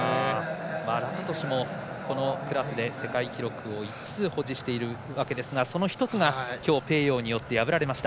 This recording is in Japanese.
ラカトシュもこのクラスで世界記録を５つ保持しているわけですがその１つがきょうペーヨーによって破られました。